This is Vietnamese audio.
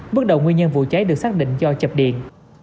bước đầu nguyên nhân vụ cháy được xác định do chập điện